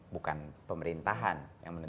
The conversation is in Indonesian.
bukan pemerintahan yang menentukan standar